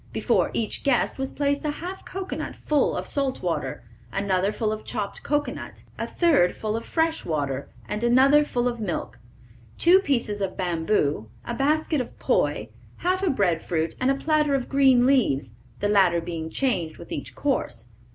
Before each guest was placed a half cocoanut full of salt water, another full of chopped cocoanut, a third full of fresh water, and another full of milk, two pieces of bamboo, a basket of poi, half a breadfruit, and a platter of green leaves, the latter being changed with each course.